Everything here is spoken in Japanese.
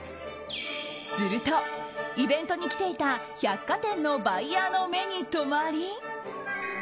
すると、イベントに来ていた百貨店のバイヤーの目に留まり